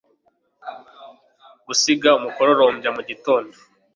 gusiga umukororombya mugitondo